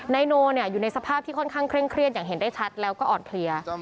นายโนอยู่ในสภาพที่ค่อนข้างเคร่งเครียดอย่างเห็นได้ชัดแล้วก็อ่อนเพลีย